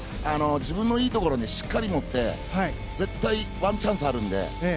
自分のいいところにしっかり持っていって絶対、ワンチャンスあるので。